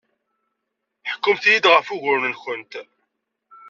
Ḥkumt-iyi-d ɣef wuguren-nwent.